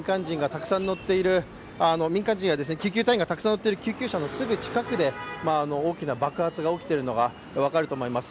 民間人や救急隊員がたくさん乗っている車のすぐ近くで大きな爆発が起きているのが分かると思います。